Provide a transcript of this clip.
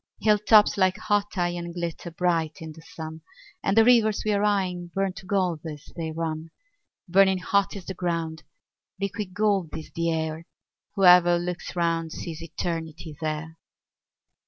Hill tops like hot iron glitter bright in the sun, And the rivers we're eying burn to gold as they run; Burning hot is the ground, liquid gold is the air; Whoever looks round sees Eternity there.